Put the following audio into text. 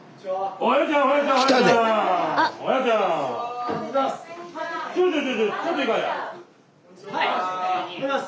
おはようございます！